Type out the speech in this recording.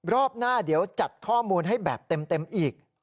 รอบหน้าเดี๋ยวจัดข้อมูลให้แบบเต็มอีก